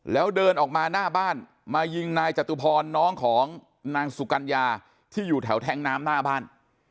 แล้วเดินออกมาหน้าบ้านมายิงนายจตุพรน้องของนางสุกัญญาที่อยู่แถวแท้งน้ำหน้าบ้าน